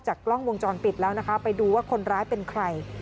กล้องวงจรปิดแล้วนะคะไปดูว่าคนร้ายเป็นใคร